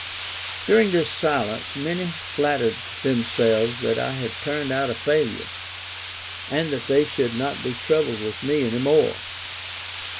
During this silence, many flattered themselves that I had turned out a failure, and that they should not be troubled with me any more.